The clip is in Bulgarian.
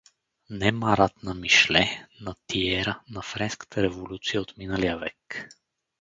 Не Марат на Мишле, на Тиера, на Френската революция от миналия век!